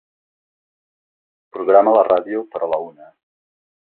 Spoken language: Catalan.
Programa la ràdio per a la una.